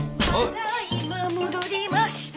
・ただいま戻りました。